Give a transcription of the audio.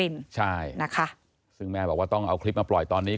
ที่สุรินทร์ใช่ซึ่งแม่บอกว่าต้องเอาคลิปมาปล่อยตอนนี้